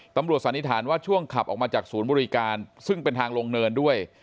สันนิษฐานว่าช่วงขับออกมาจากศูนย์บริการซึ่งเป็นทางลงเนินด้วย